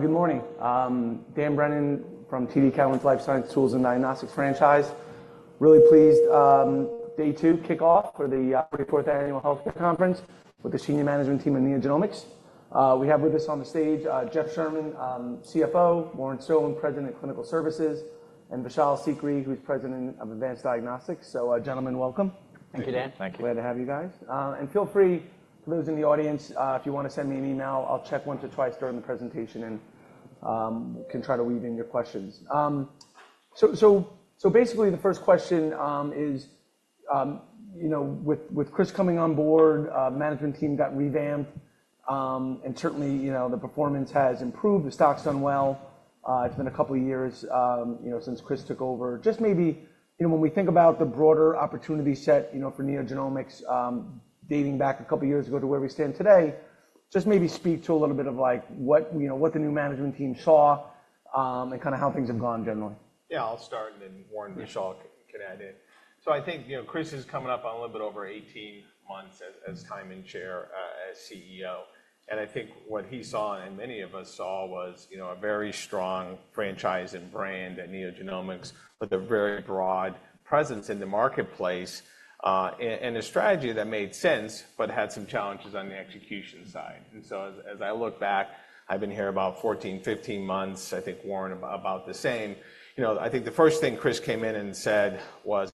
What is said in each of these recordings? Good morning. Dan Brennan from TD Cowen's Life Sciences Tools and Diagnostics franchise. Really pleased, day two kickoff for the thirty-fourth Annual Health Conference with the senior management team at NeoGenomics. We have with us on the stage, Jeff Sherman, CFO, Warren Stone, President of Clinical Services, and Vishal Sikri, who's President of Advanced Diagnostics. Gentlemen, welcome. Thank you, Dan. Thank you. Glad to have you guys. Feel free, for those in the audience, if you want to send me an email. I'll check once or twice during the presentation and can try to weave in your questions. So basically, the first question is, you know, with Chris coming on board, management team got revamped, and certainly, you know, the performance has improved. The stock's done well. It's been a couple of years, you know, since Chris took over. Just maybe, you know, when we think about the broader opportunity set, you know, for NeoGenomics, dating back a couple of years ago to where we stand today, just maybe speak to a little bit of like, what, you know, what the new management team saw, and kinda how things have gone generally. Yeah, I'll start, and then Warren- Yeah... Vishal can add in. So I think, you know, Chris is coming up on a little bit over 18 months as, as time and chair, as CEO. And I think what he saw and many of us saw was, you know, a very strong franchise and brand at NeoGenomics, with a very broad presence in the marketplace, and, and a strategy that made sense, but had some challenges on the execution side. And so as, as I look back, I've been here about 14, 15 months, I think Warren, about the same. You know, I think the first thing Chris came in and said was,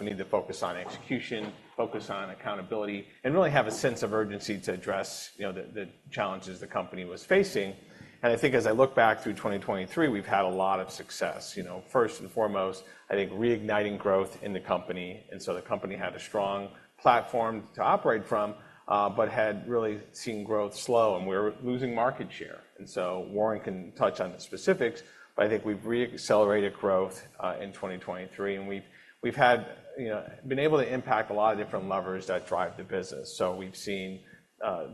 "We need to focus on execution, focus on accountability, and really have a sense of urgency to address, you know, the, the challenges the company was facing." And I think as I look back through 2023, we've had a lot of success. You know, first and foremost, I think reigniting growth in the company, and so the company had a strong platform to operate from, but had really seen growth slow, and we were losing market share. And so Warren can touch on the specifics, but I think we've re-accelerated growth in 2023, and we've had, you know, been able to impact a lot of different levers that drive the business. So we've seen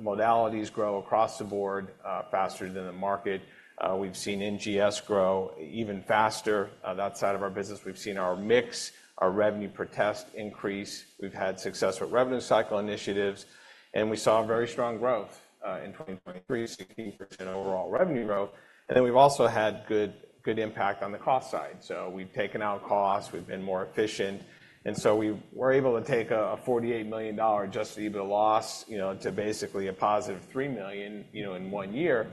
modalities grow across the board faster than the market. We've seen NGS grow even faster on that side of our business. We've seen our mix, our revenue per test increase. We've had success with revenue cycle initiatives, and we saw a very strong growth in 2023, 16% overall revenue growth. And then we've also had good, good impact on the cost side. So we've taken out costs, we've been more efficient, and so we were able to take a $48 million Adjusted EBITDA loss, you know, to basically a positive $3 million, you know, in one year.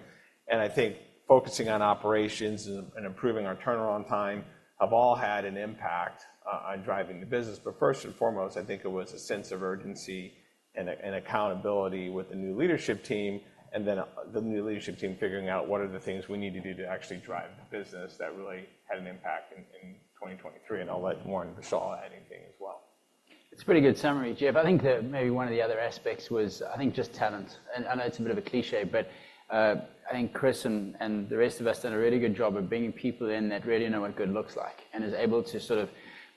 And I think focusing on operations and, and improving our turnaround time have all had an impact on, on driving the business. But first and foremost, I think it was a sense of urgency and, and accountability with the new leadership team, and then, the new leadership team figuring out what are the things we need to do to actually drive the business that really had an impact in, in 2023, and I'll let Warren, Vishal add anything as well. It's a pretty good summary, Jeff. I think that maybe one of the other aspects was, I think, just talent. And I know it's a bit of a cliché, but I think Chris and, and the rest of us done a really good job of bringing people in that really know what good looks like and is able to sort of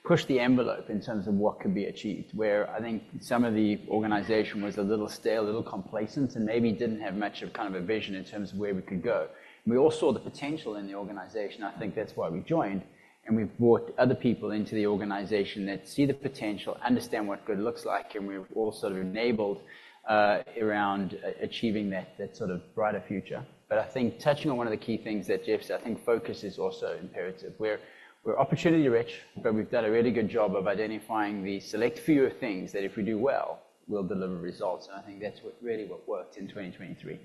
push the envelope in terms of what could be achieved. Where I think some of the organization was a little stale, a little complacent, and maybe didn't have much of kind of a vision in terms of where we could go. We all saw the potential in the organization. I think that's why we joined, and we've brought other people into the organization that see the potential, understand what good looks like, and we've all sort of enabled around achieving that, that sort of brighter future. But I think touching on one of the key things that Jeff said, I think focus is also imperative. We're, we're opportunity rich, but we've done a really good job of identifying the select few things that if we do well, will deliver results, and I think that's what really what worked in 2023.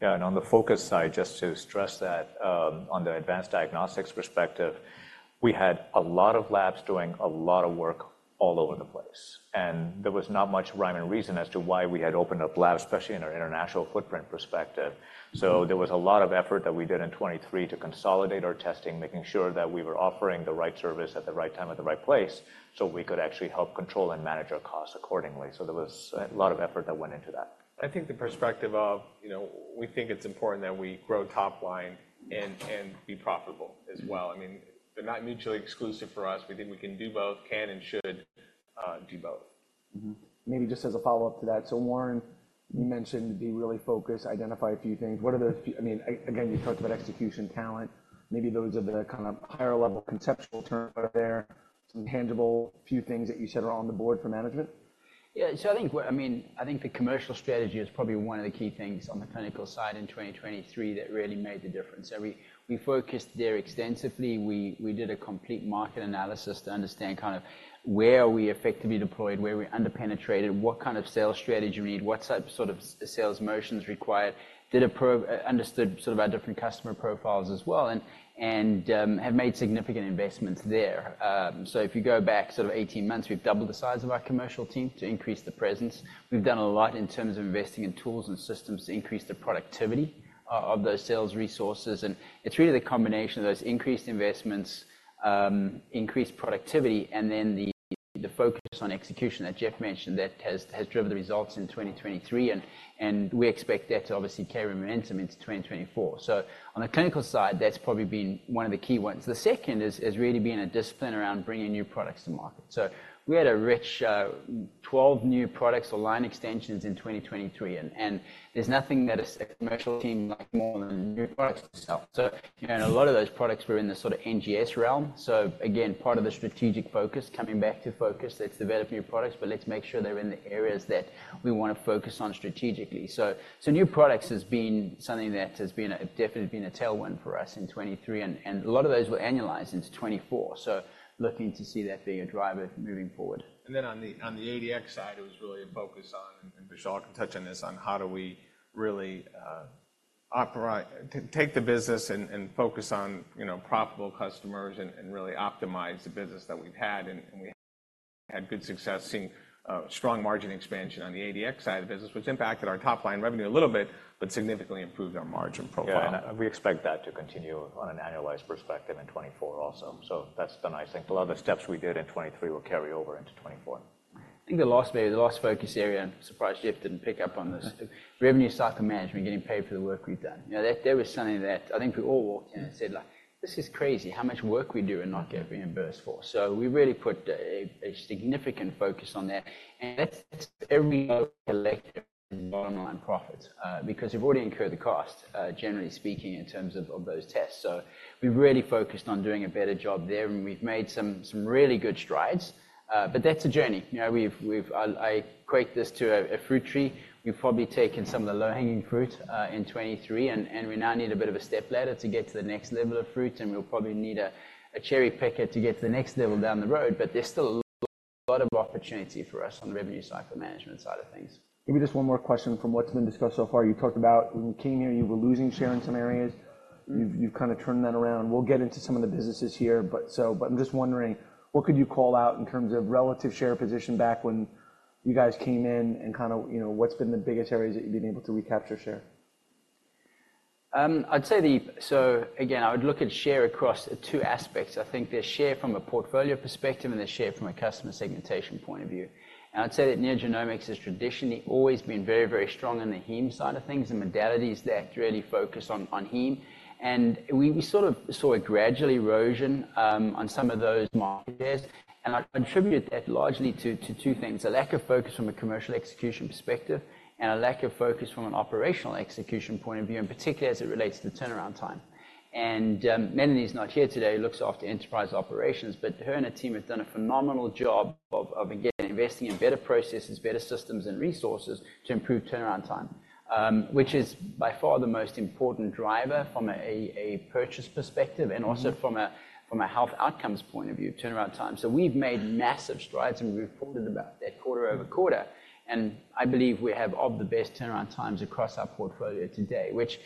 Yeah, and on the focus side, just to stress that, on the advanced diagnostics perspective, we had a lot of labs doing a lot of work all over the place, and there was not much rhyme and reason as to why we had opened a lab, especially in our international footprint perspective. So there was a lot of effort that we did in 2023 to consolidate our testing, making sure that we were offering the right service at the right time, at the right place, so we could actually help control and manage our costs accordingly. So there was a lot of effort that went into that. I think the perspective of, you know, we think it's important that we grow top line and, and be profitable as well. I mean, they're not mutually exclusive for us. We think we can do both, can and should, do both. Mm-hmm. Maybe just as a follow-up to that: So Warren, you mentioned being really focused, identify a few things. What are the few—I mean, again, you talked about execution, talent. Maybe those are the kind of higher-level conceptual terms there, some tangible few things that you said are on the board for management? Yeah, so I mean, I think the commercial strategy is probably one of the key things on the clinical side in 2023 that really made the difference. So we focused there extensively. We did a complete market analysis to understand kind of where are we effectively deployed, where are we under-penetrated, what kind of sales strategy we need, what type of sort of sales motions required, understood sort of our different customer profiles as well and have made significant investments there. So if you go back sort of 18 months, we've doubled the size of our commercial team to increase the presence. We've done a lot in terms of investing in tools and systems to increase the productivity of those sales resources, and it's really the combination of those increased investments, increased productivity, and then the focus on execution that Jeff mentioned that has driven the results in 2023, and we expect that to obviously carry momentum into 2024. So on the clinical side, that's probably been one of the key ones. The second is really being a discipline around bringing new products to market. So we had a rich 12 new products or line extensions in 2023, and there's nothing that a commercial team likes more than new products to sell. So, you know, and a lot of those products were in the sort of NGS realm. So again, part of the strategic focus, coming back to focus, let's develop new products, but let's make sure they're in the areas that we want to focus on strategically. So, new products has been something that has definitely been a tailwind for us in 2023, and a lot of those were annualized into 2024. So looking to see that being a driver moving forward. And then on the ADX side, it was really a focus on, and Vishal can touch on this, on how do we really operate to take the business and, and focus on, you know, profitable customers and, and really optimize the business that we've had, and, and we had good success seeing strong margin expansion on the ADX side of the business, which impacted our top-line revenue a little bit, but significantly improved our margin profile. Yeah, and we expect that to continue on an annualized perspective in 2024 also. So that's the nice thing. A lot of the steps we did in 2023 will carry over into 2024. I think the last, maybe the last focus area, and surprise, Jeff didn't pick up on this: Revenue Cycle Management, getting paid for the work we've done. You know, that was something that I think we all walked in and said, like, "This is crazy how much work we do and not get reimbursed for." So we really put a significant focus on that, and that's every collect bottom line profits, because you've already incurred the cost, generally speaking, in terms of those tests. So we really focused on doing a better job there, and we've made some really good strides, but that's a journey. You know, we've. I equate this to a fruit tree. We've probably taken some of the low-hanging fruit in 2023, and we now need a bit of a stepladder to get to the next level of fruit, and we'll probably need a cherry picker to get to the next level down the road, but there's still a lot of opportunity for us on the revenue cycle management side of things. Give me just one more question from what's been discussed so far. You talked about when you came here, you were losing share in some areas. You've kind of turned that around. We'll get into some of the businesses here, but I'm just wondering, what could you call out in terms of relative share position back when you guys came in, and kind of, you know, what's been the biggest areas that you've been able to recapture share? So again, I would look at share across two aspects. I think there's share from a portfolio perspective, and there's share from a customer segmentation point of view. And I'd say that NeoGenomics has traditionally always been very, very strong in the heme side of things, the modalities that really focus on, on heme. And we, we sort of saw a gradual erosion on some of those market shares, and I'd contribute that largely to, to two things: a lack of focus from a commercial execution perspective and a lack of focus from an operational execution point of view, and particularly as it relates to the turnaround time. Melody's not here today, who looks after enterprise operations, but her and her team have done a phenomenal job of, of, again, investing in better processes, better systems and resources to improve turnaround time, which is by far the most important driver from a purchase perspective and also from a health outcomes point of view, turnaround time. So we've made massive strides, and we've reported about that quarter-over-quarter, and I believe we have one of the best turnaround times across our portfolio today, which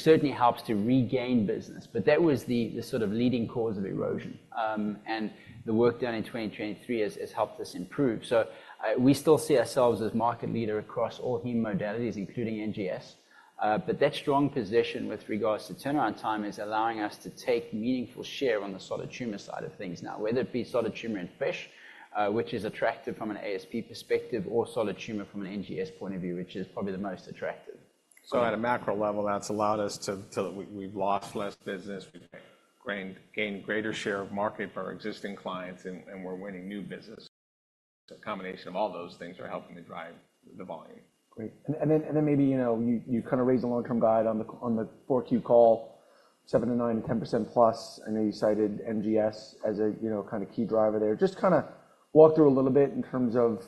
certainly helps to regain business. But that was the sort of leading cause of erosion, and the work done in 2023 has helped us improve. So, we still see ourselves as market leader across all Heme modalities, including NGS, but that strong position with regards to turnaround time is allowing us to take meaningful share on the solid tumor side of things. Now, whether it be solid tumor in FISH, which is attractive from an ASP perspective, or solid tumor from an NGS point of view, which is probably the most attractive. So at a macro level, that's allowed us to... We've lost less business, we've gained greater share of market for our existing clients, and we're winning new business. So a combination of all those things are helping to drive the volume. Great. And then maybe, you know, you, you kind of raised the long-term guide on the, on the 4Q call, 7%-10%+. I know you cited NGS as a, you know, kind of key driver there. Just kind of walk through a little bit in terms of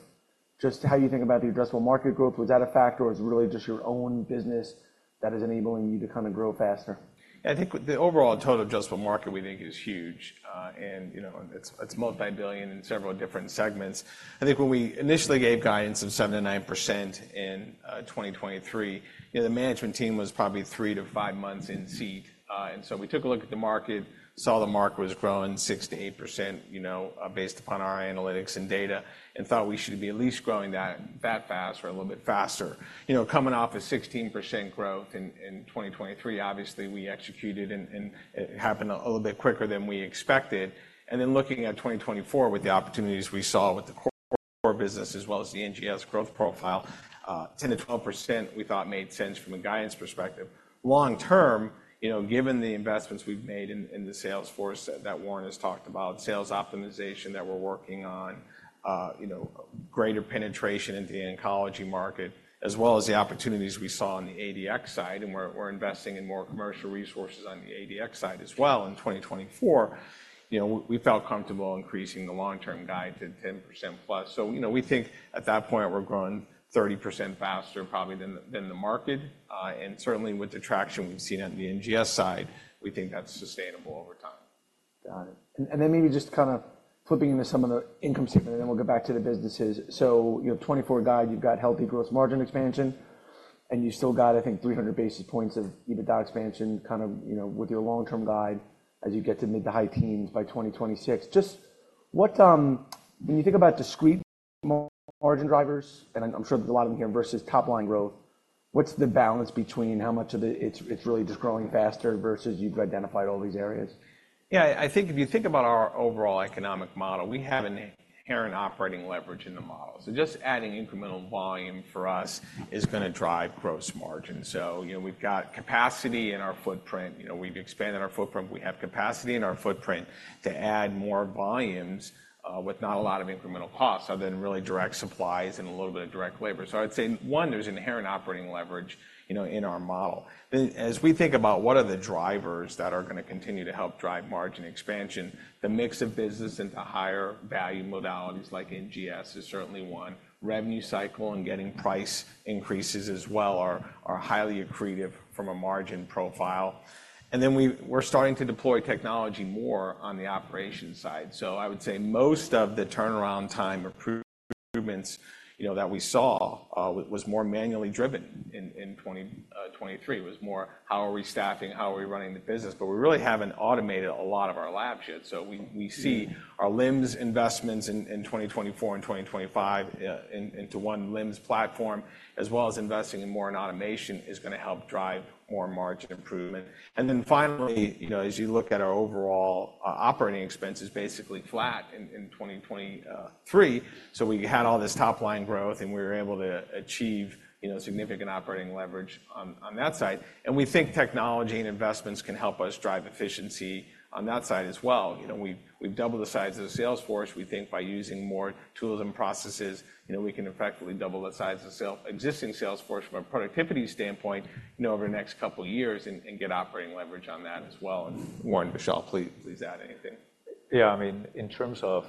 just how you think about the addressable market growth. Was that a factor, or is it really just your own business that is enabling you to kind of grow faster? I think the overall total addressable market we think is huge, and, you know, it's multi-billion in several different segments. I think when we initially gave guidance of 7%-9% in 2023, you know, the management team was probably three to five months in seat. And so we took a look at the market, saw the market was growing 6%-8%, you know, based upon our analytics and data, and thought we should be at least growing that fast or a little bit faster. You know, coming off of 16% growth in 2023, obviously, we executed, and it happened a little bit quicker than we expected. And then looking at 2024, with the opportunities we saw with the core business, as well as the NGS growth profile, 10%-12% we thought made sense from a guidance perspective. Long term, you know, given the investments we've made in the sales force that Warren has talked about, sales optimization that we're working on, you know, greater penetration into the oncology market, as well as the opportunities we saw on the ADX side, and we're investing in more commercial resources on the ADX side as well in 2024, you know, we felt comfortable increasing the long-term guide to 10%+. So, you know, we think at that point, we're growing 30% faster probably than the market, and certainly with the traction we've seen on the NGS side, we think that's sustainable over time. Got it. And then maybe just kind of flipping into some of the income statement, and then we'll get back to the businesses. So, you know, 2024 guide, you've got healthy growth margin expansion, and you still got, I think, 300 basis points of EBITDA expansion, kind of, you know, with your long-term guide as you get to mid- to high teens by 2026. Just what, when you think about discrete margin drivers, and I'm sure there's a lot of them here, versus top-line growth, what's the balance between how much of it it's really just growing faster versus you've identified all these areas? Yeah, I think if you think about our overall economic model, we have an inherent operating leverage in the model, so just adding incremental volume for us is gonna drive gross margin. So, you know, we've got capacity in our footprint. You know, we've expanded our footprint. We have capacity in our footprint to add more volumes, with not a lot of incremental cost other than really direct supplies and a little bit of direct labor. So I'd say, one, there's inherent operating leverage, you know, in our model. Then, as we think about what are the drivers that are gonna continue to help drive margin expansion, the mix of business into higher-value modalities like NGS is certainly one. Revenue cycle and getting price increases as well are highly accretive from a margin profile. And then we're starting to deploy technology more on the operations side. So I would say most of the turnaround time improvements, you know, that we saw was more manually driven in 2023. It was more, how are we staffing? How are we running the business? But we really haven't automated a lot of our labs yet. So we see our LIMS investments in 2024 and 2025 into one LIMS platform, as well as investing in more automation, is gonna help drive more margin improvement. And then finally, you know, as you look at our overall operating expenses, basically flat in 2023. So we had all this top-line growth, and we were able to achieve, you know, significant operating leverage on that side. And we think technology and investments can help us drive efficiency on that side as well. You know, we've doubled the size of the sales force. We think by using more tools and processes, you know, we can effectively double the size of the existing sales force from a productivity standpoint, you know, over the next couple of years and get operating leverage on that as well. Warren, Vishal, please add anything. Yeah, I mean, in terms of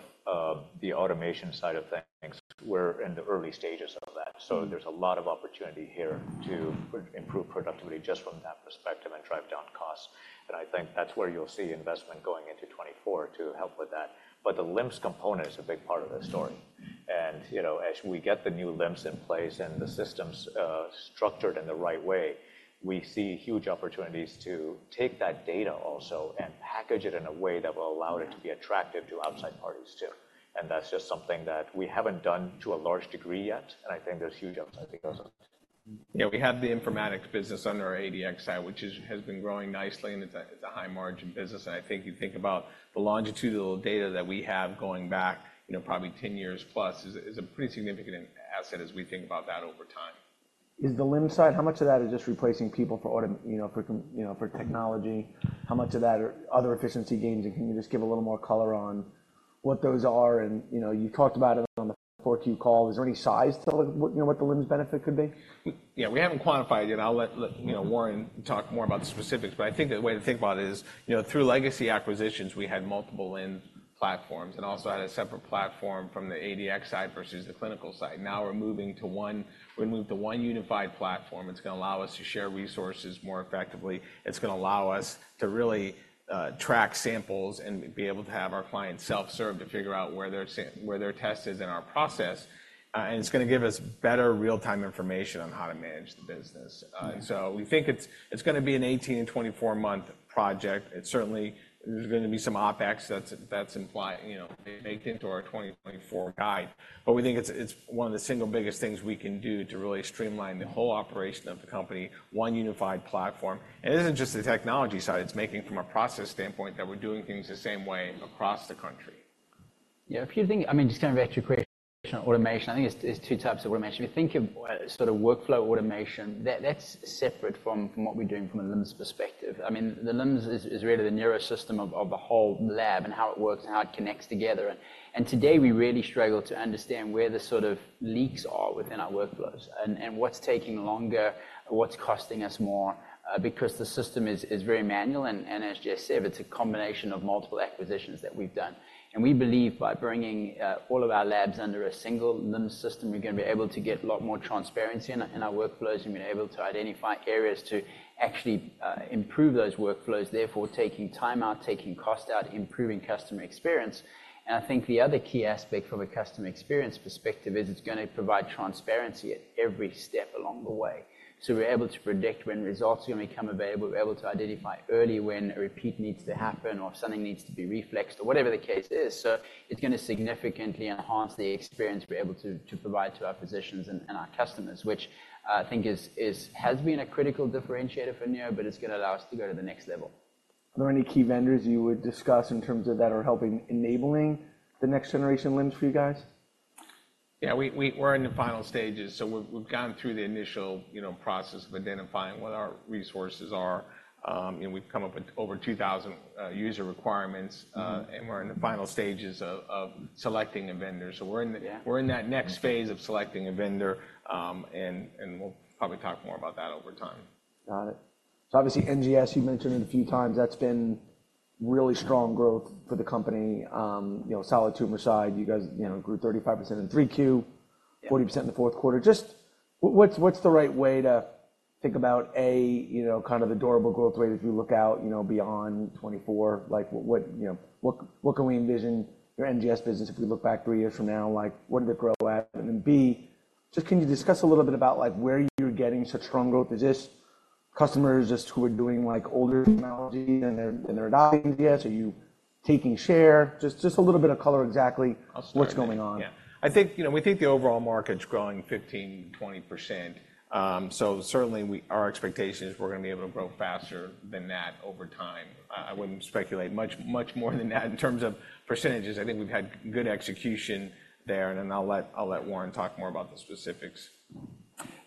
the automation side of things, we're in the early stages of that, so there's a lot of opportunity here to improve productivity just from that perspective and drive down costs. And I think that's where you'll see investment going into 2024 to help with that. But the LIMS component is a big part of the story. And, you know, as we get the new LIMS in place and the systems structured in the right way, we see huge opportunities to take that data also and package it in a way that will allow it to be attractive to outside parties, too. And that's just something that we haven't done to a large degree yet, and I think there's huge upside because of it. Yeah, we have the informatics business under our ADX side, which has been growing nicely, and it's a high-margin business. And I think you think about the longitudinal data that we have going back, you know, probably 10 years plus, is a pretty significant asset as we think about that over time. On the LIMS side, how much of that is just replacing people for automation, you know, for computers? You know, for technology? How much of that are other efficiency gains, and can you just give a little more color on what those are? You know, you talked about it on the 4Q call. Is there any size to the, you know, what the LIMS benefit could be? Yeah, we haven't quantified yet. I'll let you know, Warren, talk more about the specifics, but I think the way to think about it is, you know, through legacy acquisitions, we had multiple LIMS platforms and also had a separate platform from the ADX side versus the clinical side. Now, we're moving to one. We moved to one unified platform. It's gonna allow us to share resources more effectively. It's gonna allow us to really track samples and be able to have our clients self-serve to figure out where their test is in our process, and it's gonna give us better real-time information on how to manage the business. So we think it's gonna be an 18- and 24-month project. It certainly, there's gonna be some OpEx that's implied, you know, baked into our 2024 guide. But we think it's one of the single biggest things we can do to really streamline the whole operation of the company, one unified platform. And it isn't just the technology side. It's making from a process standpoint that we're doing things the same way across the country. Yeah, if you think... I mean, just kind of back to your question on automation, I think it's two types of automation. If you think of sort of workflow automation, that's separate from what we're doing from a LIMS perspective. I mean, the LIMS is really the nervous system of a whole lab and how it works and how it connects together. And today, we really struggle to understand where the sort of leaks are within our workflows and what's taking longer, what's costing us more, because the system is very manual. And as Jeff said, it's a combination of multiple acquisitions that we've done. And we believe by bringing all of our labs under a single LIMS system, we're gonna be able to get a lot more transparency in our, in our workflows, and we're able to identify areas to actually improve those workflows, therefore, taking time out, taking cost out, improving customer experience. And I think the other key aspect from a customer experience perspective is it's gonna provide transparency at every step along the way. So we're able to predict when results are gonna become available. We're able to identify early when a repeat needs to happen or if something needs to be reflexed or whatever the case is. So it's gonna significantly enhance the experience we're able to provide to our physicians and our customers, which, I think, has been a critical differentiator for Neo, but it's gonna allow us to go to the next level. Are there any key vendors you would discuss in terms of that are helping enabling the next generation LIMS for you guys? Yeah, we're in the final stages, so we've gone through the initial, you know, process of identifying what our resources are. And we've come up with over 2,000 user requirements- Mm. and we're in the final stages of selecting a vendor. So we're in the- Yeah. - We're in that next phase of selecting a vendor, and we'll probably talk more about that over time. Got it. So obviously, NGS, you've mentioned it a few times. That's been really strong growth for the company. You know, solid tumor side, you guys, you know, grew 35% in 3Q- Yeah. 40% in the fourth quarter. Just what's the right way to think about, A, you know, kind of the durable growth rate as you look out, you know, beyond 2024? Like, what, you know, what can we envision your NGS business if we look back three years from now, like, what did it grow at? And then, B, just can you discuss a little bit about, like, where you're getting such strong growth? Is this customers just who are doing, like, older technology, and they're adopting NGS? Are you taking share? Just a little bit of color exactly- I'll start- What's going on. Yeah. I think, you know, we think the overall market's growing 15%-20%. So certainly, our expectation is we're gonna be able to grow faster than that over time. I wouldn't speculate much, much more than that in terms of percentages. I think we've had good execution there, and then I'll let, I'll let Warren talk more about the specifics.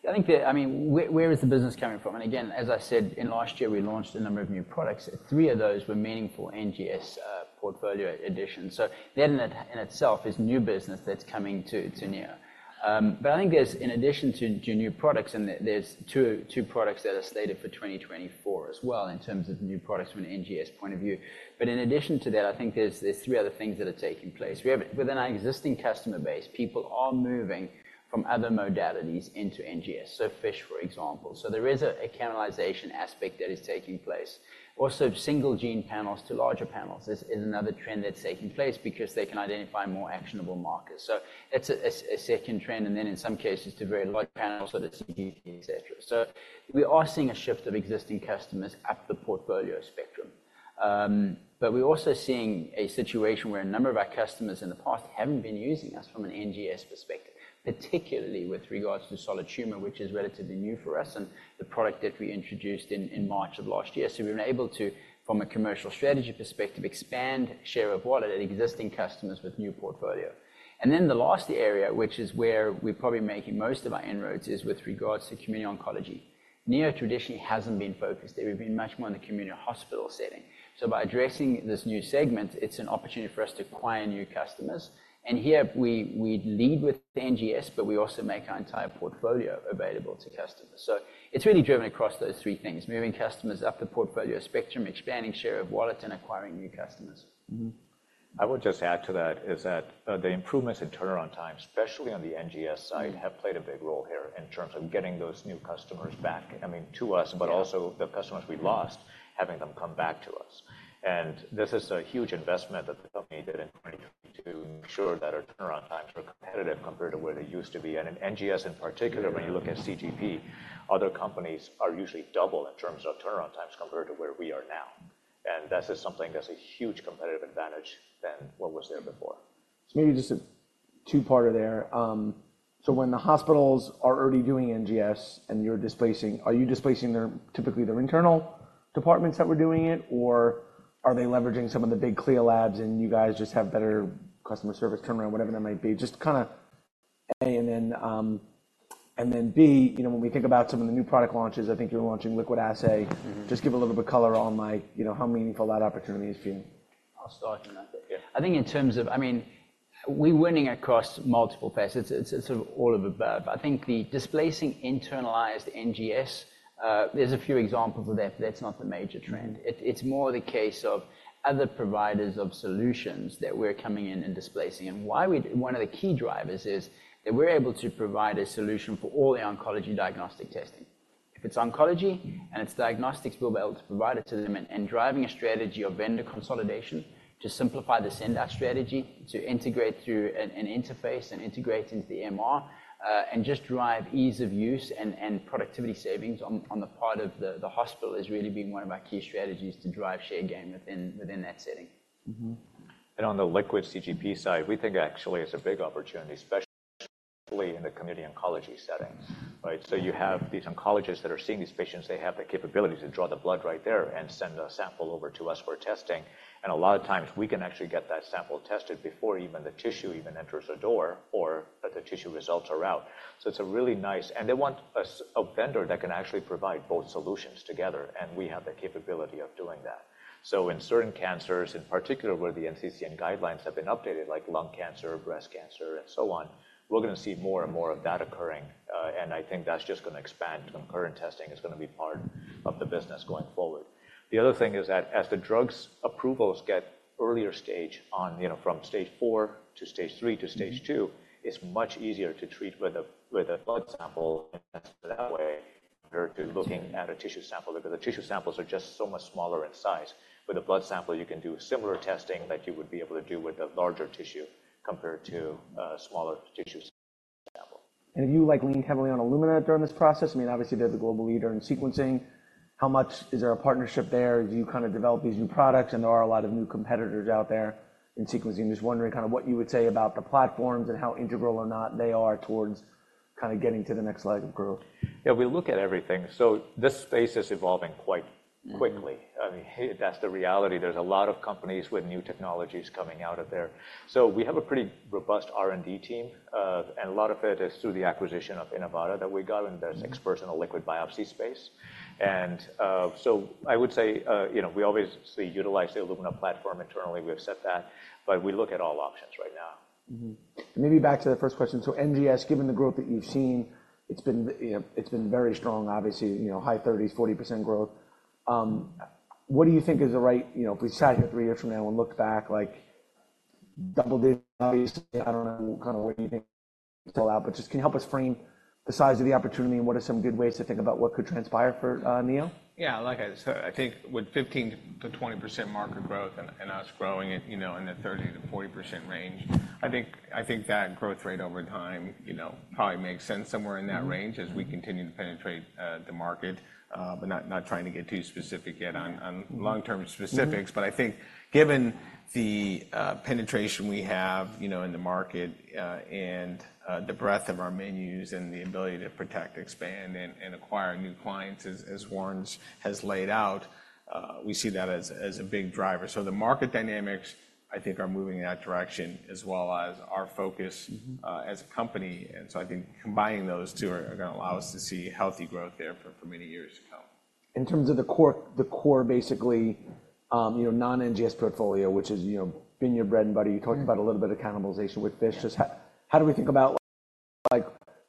I think. I mean, where is the business coming from? And again, as I said, in last year, we launched a number of new products. three of those were meaningful NGS portfolio additions. So then that in itself is new business that's coming to Neo. But I think there's, in addition to new products, and there's two products that are slated for 2024 as well, in terms of new products from an NGS point of view. But in addition to that, I think there's 3 other things that are taking place. We have within our existing customer base, people are moving from other modalities into NGS, so FISH, for example. So there is a cannibalization aspect that is taking place. Also, single-gene panels to larger panels. This is another trend that's taking place because they can identify more actionable markers. So it's a second trend, and then in some cases, to very large panels that are CDx, et cetera. So we are seeing a shift of existing customers up the portfolio spectrum. But we're also seeing a situation where a number of our customers in the past haven't been using us from an NGS perspective, particularly with regards to Solid Tumor, which is relatively new for us, and the product that we introduced in March of last year. So we've been able to, from a commercial strategy perspective, expand share of wallet at existing customers with new portfolio. And then the last area, which is where we're probably making most of our inroads, is with regards to Community Oncology. Neo traditionally hasn't been focused there. We've been much more in the community hospital setting. So by addressing this new segment, it's an opportunity for us to acquire new customers. And here, we lead with the NGS, but we also make our entire portfolio available to customers. So it's really driven across those three things: moving customers up the portfolio spectrum, expanding share of wallet, and acquiring new customers. Mm-hmm. I would just add to that, the improvements in turnaround time, especially on the NGS side- Mm... have played a big role here in terms of getting those new customers back, I mean, to us- Yeah... but also the customers we've lost, having them come back to us. This is a huge investment that the company did into ensure that our turnaround times were competitive compared to where they used to be. In NGS, in particular- Yeah ...when you look at CGP, other companies are usually double in terms of turnaround times compared to where we are now. That is something that's a huge competitive advantage than what was there before. So maybe just a two-parter there. So when the hospitals are already doing NGS and you're displacing, are you displacing their, typically their internal departments that were doing it, or are they leveraging some of the big CLIA labs, and you guys just have better customer service turnaround, whatever that might be? Just to kind of A, and then, and then B, you know, when we think about some of the new product launches, I think you're launching liquid assay. Mm-hmm. Just give a little bit color on like, you know, how meaningful that opportunity is for you. I'll start on that bit. Yeah. I think in terms of—I mean, we're winning across multiple paths. It's sort of all of the above. I think the displacing internalized NGS, there's a few examples of that, but that's not the major trend. It's more the case of other providers of solutions that we're coming in and displacing. And why we—One of the key drivers is that we're able to provide a solution for all the oncology diagnostic testing. If it's oncology and it's diagnostics, we'll be able to provide it to them and driving a strategy of vendor consolidation to simplify the send-out strategy, to integrate through an interface and integrate into the EMR, and just drive ease of use and productivity savings on the part of the hospital, has really been one of our key strategies to drive share gain within that setting. Mm-hmm. And on the liquid CGP side, we think actually it's a big opportunity, especially in the Community Oncology setting, right? So you have these oncologists that are seeing these patients. They have the capability to draw the blood right there and send a sample over to us for testing, and a lot of times we can actually get that sample tested before even the tissue even enters the door or that the tissue results are out. So it's a really nice... And they want us, a vendor that can actually provide both solutions together, and we have the capability of doing that. So in certain cancers, in particular, where the NCCN guidelines have been updated, like lung cancer, breast cancer, and so on, we're going to see more and more of that occurring. and I think that's just going to expand, concurrent testing is going to be part of the business going forward. The other thing is that as the drugs approvals get earlier stage on, you know, from stage 4 to stage 3 to stage 2- Mm-hmm... it's much easier to treat with a blood sample that way, compared to looking at a tissue sample, because the tissue samples are just so much smaller in size. With a blood sample, you can do similar testing like you would be able to do with a larger tissue compared to smaller tissue sample. Have you, like, leaned heavily on Illumina during this process? I mean, obviously, they're the global leader in sequencing. How much? Is there a partnership there as you kind of develop these new products? I know there are a lot of new competitors out there in sequencing. Just wondering kind of what you would say about the platforms and how integral or not they are towards kind of getting to the next leg of growth. Yeah, we look at everything. This space is evolving quite quickly. Mm. I mean, that's the reality. There's a lot of companies with new technologies coming out of there. So we have a pretty robust R&D team, and a lot of it is through the acquisition of Inivata that we got, and they're experts in the liquid biopsy space. And, so I would say, you know, we obviously utilize the Illumina platform internally. We've said that, but we look at all options right now. Mm-hmm. Maybe back to the first question. So NGS, given the growth that you've seen, it's been, you know, it's been very strong, obviously, you know, high thirties, 40% growth. What do you think is the right... You know, if we sat here three years from now and look back, like double digits, obviously, I don't know, kind of where do you think it'll play out, but just, can you help us frame the size of the opportunity and what are some good ways to think about what could transpire for Neo? Yeah, like I said, I think with 15%-20% market growth and us growing it, you know, in the 30%-40% range, I think that growth rate over time, you know, probably makes sense somewhere in that range- Mm... as we continue to penetrate the market, but not trying to get too specific yet on long-term specifics. Mm-hmm. But I think given the penetration we have, you know, in the market, and the breadth of our menus and the ability to protect, expand, and acquire new clients, as Warren has laid out, we see that as a big driver. So the market dynamics, I think, are moving in that direction, as well as our focus- Mm-hmm... as a company. So I think combining those two are gonna allow us to see healthy growth there for many years to come. In terms of the core, the core, basically, you know, non-NGS portfolio, which is, you know, been your bread and butter- Mm... you talked about a little bit of cannibalization with this. Yeah. Just how do we think about,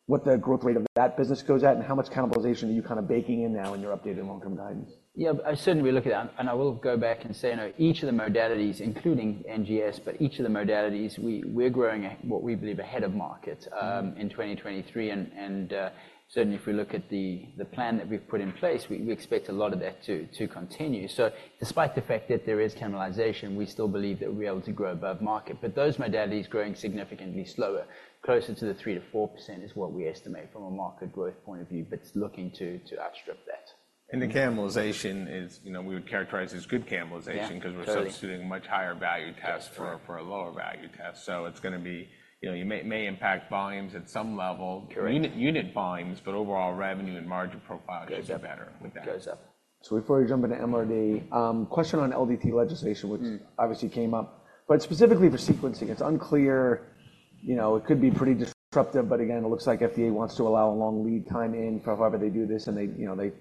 like, what the growth rate of that business goes at, and how much cannibalization are you kind of baking in now in your updated income guidance? Yeah, certainly, we look at that, and I will go back and say, you know, each of the modalities, including NGS, but each of the modalities, we're growing at what we believe ahead of market- Mm... in 2023. And, certainly, if we look at the plan that we've put in place, we expect a lot of that to continue. So despite the fact that there is cannibalization, we still believe that we'll be able to grow above market. But those modalities growing significantly slower, closer to the 3%-4%, is what we estimate from a market growth point of view, but it's looking to outstrip that.... the cannibalization is, you know, we would characterize as good cannibalization- Yeah, clearly. because we're substituting much higher value tests for a lower value test. So it's going to be, you know, you may impact volumes at some level. Correct. Unit, unit volumes, but overall revenue and margin profile should be better with that. Goes up. So before we jump into MRD, question on LDT legislation, which obviously came up, but specifically for sequencing. It's unclear, you know, it could be pretty disruptive, but again, it looks like FDA wants to allow a long lead time in for however they do this, and they, you know, they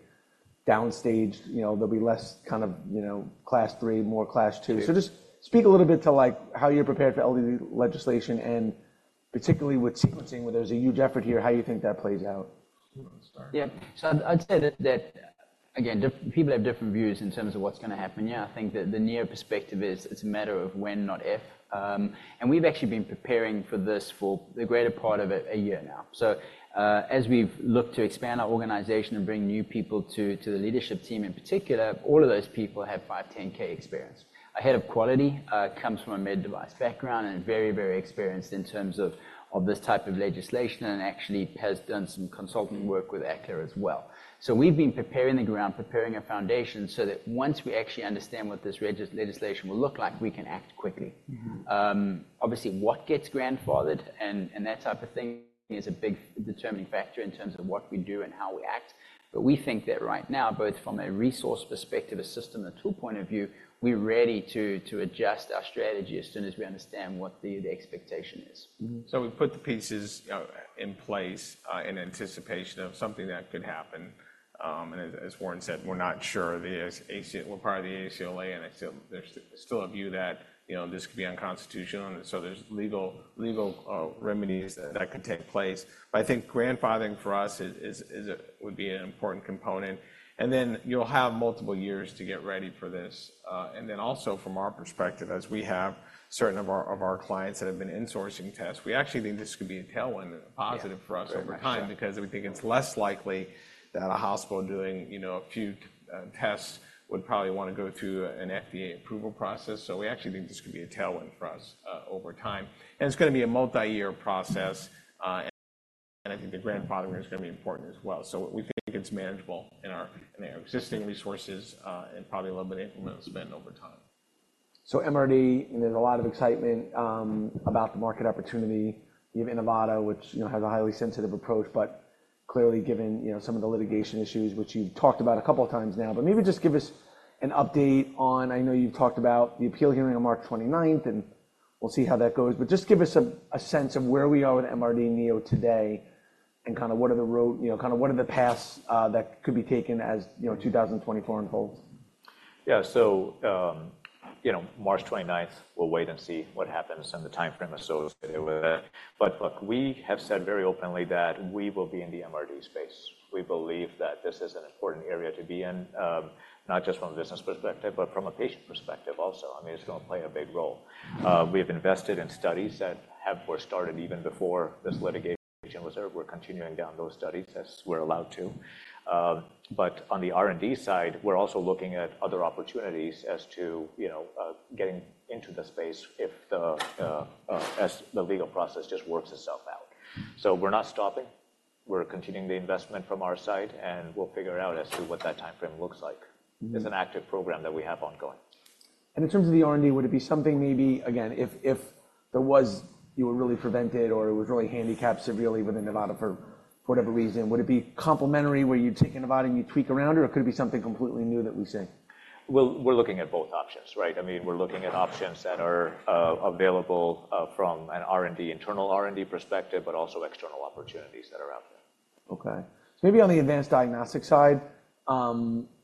downstage, you know, there'll be less kind of, you know, Class III, more Class II. So just speak a little bit to, like, how you're prepared for LDT legislation, and particularly with sequencing, where there's a huge effort here, how you think that plays out? You want to start? Yeah. So I'd say that, that again, different people have different views in terms of what's going to happen. Yeah, I think that the near perspective is it's a matter of when, not if. And we've actually been preparing for this for the greater part of a year now. So, as we've looked to expand our organization and bring new people to the leadership team, in particular, all of those people have 510(k) experience. Our head of quality comes from a med device background and very, very experienced in terms of this type of legislation and actually has done some consulting work with ACLA as well. So we've been preparing the ground, preparing a foundation so that once we actually understand what this legislation will look like, we can act quickly. Mm-hmm. Obviously, what gets grandfathered and that type of thing is a big determining factor in terms of what we do and how we act. But we think that right now, both from a resource perspective, a system, a tool point of view, we're ready to adjust our strategy as soon as we understand what the expectation is. Mm-hmm. So we've put the pieces in place in anticipation of something that could happen. As Warren said, we're not sure the ACLA. Well, part of the ACLA, and I still... There's still a view that, you know, this could be unconstitutional, and so there's legal remedies that could take place. But I think grandfathering for us would be an important component, and then you'll have multiple years to get ready for this. And then also from our perspective, as we have certain of our clients that have been insourcing tests, we actually think this could be a tailwind and a positive for us over time. Very much, yeah. because we think it's less likely that a hospital doing, you know, a few tests would probably want to go through an FDA approval process. So we actually think this could be a tailwind for us over time. And it's going to be a multi-year process, and I think the grandfathering is going to be important as well. So we think it's manageable in our existing resources, and probably a little bit of incremental spend over time. So MRD, there's a lot of excitement about the market opportunity. You have Inivata, which, you know, has a highly sensitive approach, but clearly given, you know, some of the litigation issues, which you've talked about a couple of times now. But maybe just give us an update on... I know you've talked about the appeal hearing on March 29th, and we'll see how that goes. But just give us a sense of where we are with MRD and Neo today, and kind of what are the paths that could be taken, as, you know, 2024 unfolds? Yeah, so, you know, March 29th, we'll wait and see what happens, and the timeframe is so with that. But look, we have said very openly that we will be in the MRD space. We believe that this is an important area to be in, not just from a business perspective, but from a patient perspective also. I mean, it's going to play a big role. We have invested in studies that have were started even before this litigation was there. We're continuing down those studies as we're allowed to. But on the R&D side, we're also looking at other opportunities as to, you know, getting into the space if the, as the legal process just works itself out. So we're not stopping. We're continuing the investment from our side, and we'll figure out as to what that timeframe looks like. Mm-hmm. It's an active program that we have ongoing. In terms of the R&D, would it be something maybe, again, if, if there was... You were really prevented, or it was really handicapped severely with Inivata for whatever reason, would it be complementary, where you'd take Inivata and you'd tweak around, or it could be something completely new that we see? Well, we're looking at both options, right? I mean, we're looking at options that are available from an R&D, internal R&D perspective, but also external opportunities that are out there. Okay. So maybe on the advanced diagnostic side,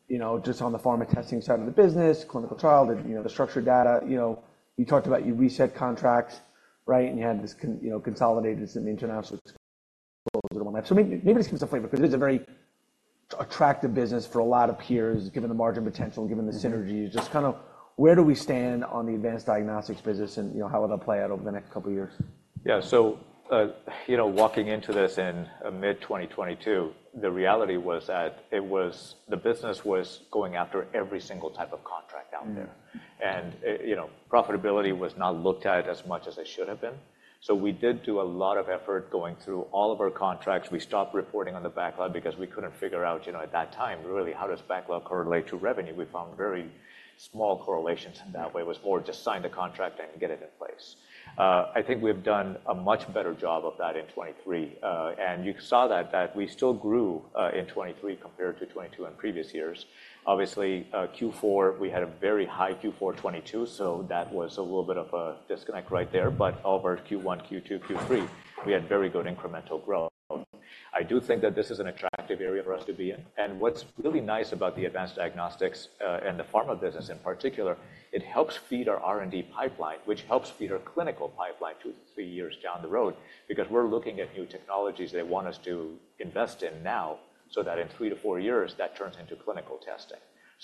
you know, just on the pharma testing side of the business, clinical trial, you know, the structured data. You know, you talked about you reset contracts, right? And you had this, you know, consolidated some international ... So maybe, maybe just give us a flavor, because it is a very attractive business for a lot of peers, given the margin potential, given the synergies. Just kind of where do we stand on the advanced diagnostics business and, you know, how will that play out over the next couple of years? Yeah, so, you know, walking into this in mid-2022, the reality was that it was, the business was going after every single type of contract out there. Mm-hmm. You know, profitability was not looked at as much as it should have been. We did do a lot of effort going through all of our contracts. We stopped reporting on the backlog because we couldn't figure out, you know, at that time, really, how does backlog correlate to revenue? We found very small correlations in that way. Mm-hmm. It was more just sign the contract and get it in place. I think we've done a much better job of that in 2023, and you saw that, that we still grew in 2023 compared to 2022 and previous years. Obviously, Q4, we had a very high Q4 2022, so that was a little bit of a disconnect right there, but over Q1, Q2, Q3, we had very good incremental growth. I do think that this is an attractive area for us to be in, and what's really nice about the advanced diagnostics and the pharma business in particular, it helps feed our R&D pipeline, which helps feed our clinical pipeline two, three years down the road because we're looking at new technologies they want us to invest in now, so that in three-four years, that turns into clinical testing.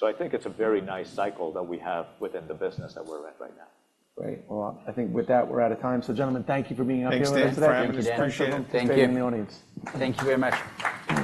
I think it's a very nice cycle that we have within the business that we're in right now. Great. Well, I think with that, we're out of time. So, gentlemen, thank you for being up here with us today. Thanks, Dan, for having us. Appreciate it. Thank you. Thank you. Thank you in the audience. Thank you very much.